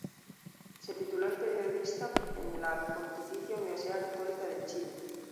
Se tituló de periodista en la Pontificia Universidad Católica de Chile.